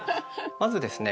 まずですね